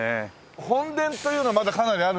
本殿というのはまだかなりあるんですか？